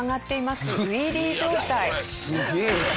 すげえ。